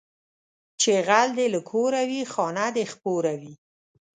چې غل دې له کوره وي، خانه دې خپوره وي